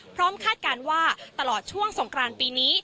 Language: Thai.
คาดการณ์ว่าตลอดช่วงสงกรานปีนี้